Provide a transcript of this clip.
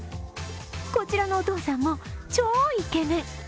こちらのお父さんも、超イケメン。